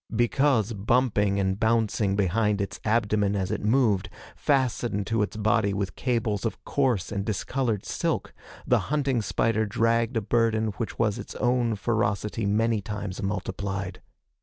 Because, bumping and bouncing behind its abdomen as it moved, fastened to its body with cables of coarse and discolored silk, the hunting spider dragged a burden which was its own ferocity many times multiplied.